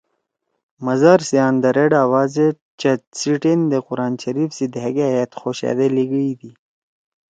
مزار سی اندرے ڈابا زید چت سی ٹیندے قرآن شریف سی دھأک أیأت خوشأدے لیگیئ دی